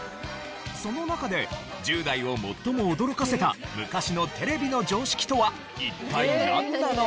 その中で１０代を最も驚かせた昔のテレビの常識とは一体なんなのか？